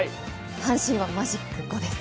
阪神はマジック５です。